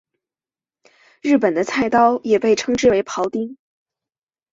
日本的菜刀也被称之为庖丁。